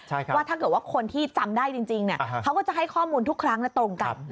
ว่าถ้าเกิดว่าคนที่จำได้จริงเขาก็จะให้ข้อมูลทุกครั้งและตรงกัน